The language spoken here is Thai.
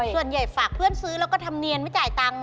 ส่วนใหญ่ฝากเพื่อนซื้อแล้วก็ทำเนียนไม่จ่ายตังค์